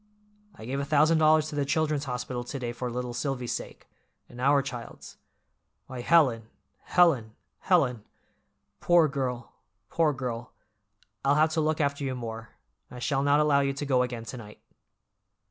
I gave a thousand dollars to the Children's Hospital to day for little Silvy's sake—and our child's. Why, Helen, Helen, Helen! Poor girl, poor girl, I'll have to look after you more, I shall not allow you to go again to night."